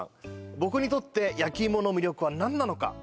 僕にとって焼き芋の魅力は何なのか？